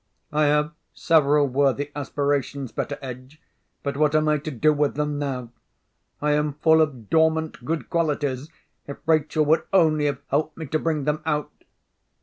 "I have several worthy aspirations, Betteredge; but what am I to do with them now? I am full of dormant good qualities, if Rachel would only have helped me to bring them out!"